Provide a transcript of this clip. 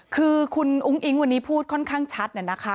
คือคุณอุ้งอิ๊งวันนี้พูดค่อนข้างชัดนะคะ